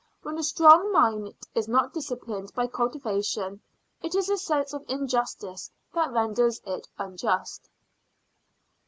When a strong mind is not disciplined by cultivation it is a sense of injustice that renders it unjust.